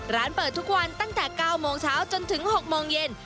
ร้านเปิดทุกวันตั้งแต่๙โมงเช้าจนถึง๖โมงเย็น